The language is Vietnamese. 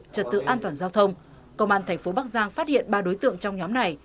trật tự an toàn giao thông công an thành phố bắc giang phát hiện ba đối tượng trong nhóm này